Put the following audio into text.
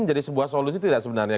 menjadi sebuah solusi tidak sebenarnya